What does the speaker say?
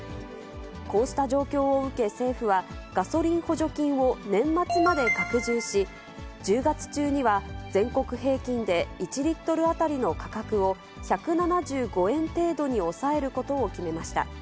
こうした状況を受け、政府はガソリン補助金を年末まで拡充し、１０月中には、全国平均で１リットル当たりの価格を１７５円程度に抑えることを決めました。